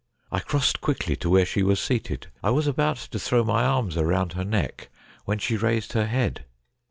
I crossed quickly to where she was seated. I was about to throw my arms around her neck, when she raised her head.